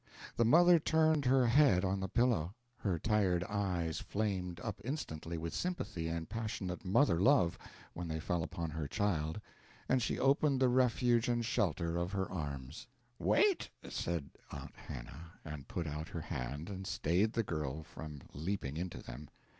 The mother turned her head on the pillow; her tired eyes flamed up instantly with sympathy and passionate mother love when they fell upon her child, and she opened the refuge and shelter of her arms. "Wait!" said Aunt Hannah, and put out her hand and stayed the girl from leaping into them.